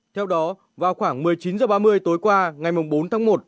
theo đó vào khoảng một mươi chín h ba mươi tối qua ngày bốn tháng một